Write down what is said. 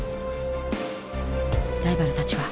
ライバルたちは。